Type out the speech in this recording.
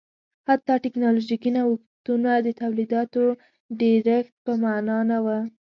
حتی ټکنالوژیکي نوښتونه د تولیداتو ډېرښت په معنا نه و